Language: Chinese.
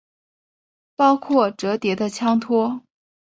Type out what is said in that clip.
包括折叠的枪托。